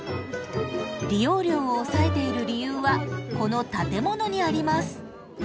利用料を抑えている理由はこの建物にあります。